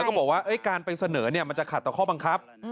แล้วก็บอกว่าการไปเสนอมันจะขัดต่อข้อบังคับ